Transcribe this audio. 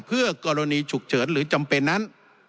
เพื่อกรณีฉุกเฉินหรือจำเป็นนั้น